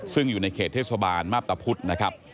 ซึ่งอยู่ในเขตเทศบาลมาพตะพุธนะครับ